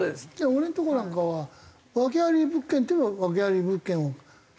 俺のとこなんかは訳あり物件っていえば訳あり物件なんだけど。